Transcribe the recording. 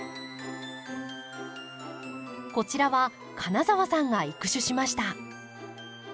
こちらは金澤さんが育種しました。